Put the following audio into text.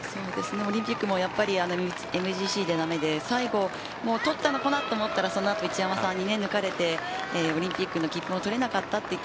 オリンピックもＭＧＣがだめで取ったのかと思ったら一山さんに抜かれてオリンピックの切符も取れなかった。